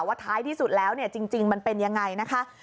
ท้ายที่สุดแล้วเนี่ยจริงมันเป็นยังไงนะคะ